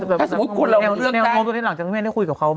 ถ้าสมมุติคนเรามีเรื่องแบบแนวโทรตัวที่หลังจากที่แม่ได้คุยกับเขา